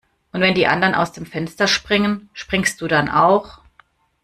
Und wenn die anderen aus dem Fenster springen, springst du dann auch?